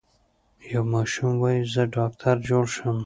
یو ماشوم وايي زه ډاکټر جوړ شم.